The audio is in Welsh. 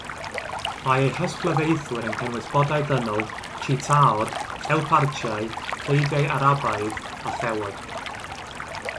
Mae eu hysglyfaethwyr yn cynnwys bodau dynol, tsitaod, llewpartiau, bleiddiau Arabaidd, a llewod.